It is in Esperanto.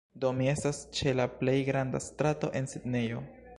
Do, mi estas ĉe la plej granda strato en Sidnejo